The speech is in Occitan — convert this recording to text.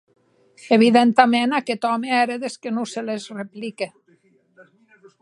Evidentaments aqueth òme ère des que non se les replique.